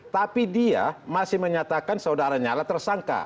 tapi dia masih menyatakan saudaranya lah tersangka